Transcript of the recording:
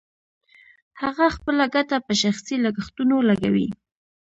هغه خپله ګټه په شخصي لګښتونو لګوي